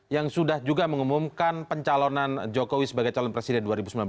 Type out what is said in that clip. yang sudah juga mengumumkan pencalonan jokowi sebagai calon presiden dua ribu sembilan belas